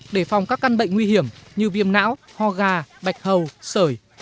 để phòng các căn bệnh nguy hiểm như viêm não ho gà bạch hầu sởi